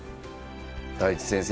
大地先生